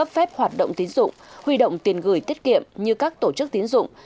phép hoạt động tín dụng huy động tiền gửi tiết kiệm như các tổ chức tiến dụng